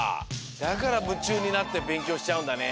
だからむちゅうになってべんきょうしちゃうんだね。